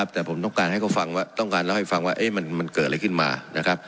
แต่ผมต้องการเล่าให้ฟังว่ามันเกิดอะไรขึ้นมา